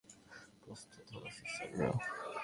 প্রস্তুত হও অফিসাররা!